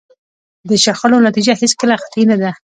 د شخړو نتیجه هېڅکله قطعي نه ده.